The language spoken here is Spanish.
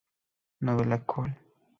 Novela, Col.